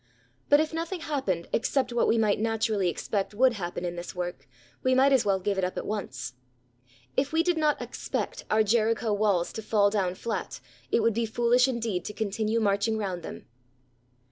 But if nothing happened except what we might naturally expect would happen in this work, we might as well give it up at once. If we did not expect our Jericho walls to fall down flat, it would be foolish indeed to continue marching round them.